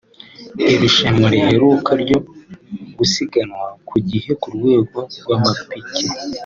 Irushanwa riheruka ryo gusiganwa ku gihe ku rwego rw’amakipe